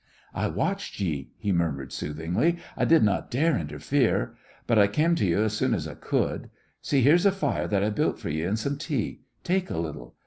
"I watched ye," he murmured soothingly, "I did not dare interfere. But I kem to yo' 's soon as I could. See, here's a fire that I built for ye, and some tea. Take a little.